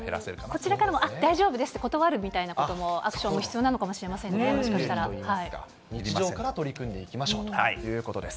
こちらからもあっ、大丈夫ですって断るっていうことも、アクションも必要なのかもしれま日常から取り組んでいきましょうということです。